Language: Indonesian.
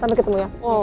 sampai ketemu ya